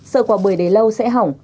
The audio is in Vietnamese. sợ quả bưởi đầy lâu sẽ hỏng